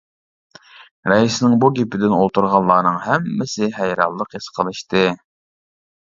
رەئىسنىڭ بۇ گېپىدىن ئولتۇرغانلارنىڭ ھەممىسى ھەيرانلىق ھېس قىلىشتى.